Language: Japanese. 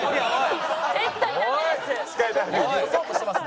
絶対ダメです！